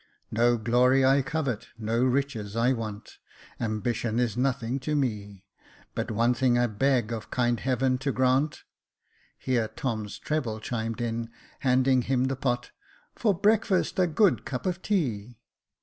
'' No glory I covet, no riches I want, Ambition is nothing to me. But one thing I beg of kind Heaven to grant —" Here Tom's treble chimed in, handing him the pot, " For breakfast a good cup of tea."